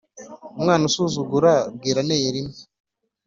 Umwana usuzugura bwira aneye rimwe